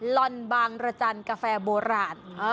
ลอนบางระจันทร์กาแฟโบราณ